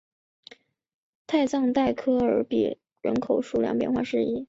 泰藏代科尔比埃人口变化图示